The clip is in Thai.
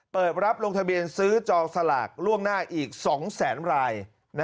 เปิดรับลงทะเบียนซื้อจองสลากล่วงหน้าอีก๒แสนราย